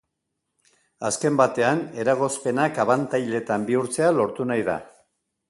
Azken batean eragozpenak abantailetan bihurtzea lortu nahi da.